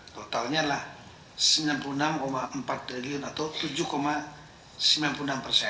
totalnya adalah sembilan puluh enam empat triliun atau tujuh sembilan puluh enam persen